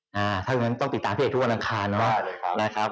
ถ้าอย่างนั้นต้องติดตามพี่เอกทุกวันอังคารเนาะนะครับ